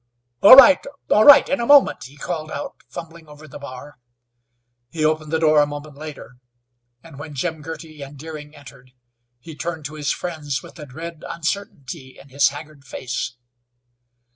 "All right, all right, in a moment," he called out, fumbling over the bar. He opened the door a moment later and when Jim Girty and Deering entered he turned to his friends with a dread uncertainty in his haggard face.